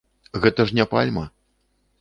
Гэта ж не пальма.